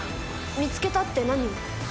見つけたって何を？